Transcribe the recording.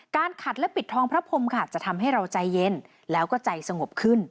ขัดและปิดทองพระพรมค่ะจะทำให้เราใจเย็นแล้วก็ใจสงบขึ้น